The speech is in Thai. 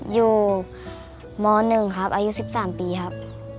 อยู่ม๑ครับอายุ๑๓ปีครับ